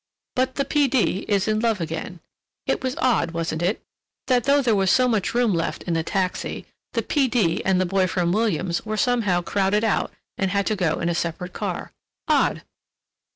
But the P. D. is in love again... it was odd, wasn't it?—that though there was so much room left in the taxi the P. D. and the boy from Williams were somehow crowded out and had to go in a separate car. Odd!